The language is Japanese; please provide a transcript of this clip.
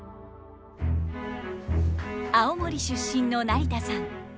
青森出身の成田さん。